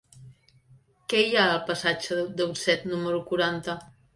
Què hi ha al passatge d'Utset número quaranta?